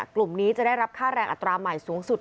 กลุ่มนี้จะได้รับค่าแรงอัตราใหม่สูงสุด